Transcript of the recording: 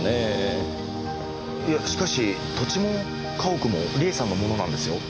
いやしかし土地も家屋も梨絵さんのものなんですよ？